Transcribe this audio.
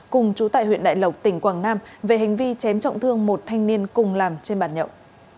cùng chú tại huyện đại lộc tỉnh quảng nam về hành vi chém trọng thương một thanh niên cùng làm trên bàn nhậu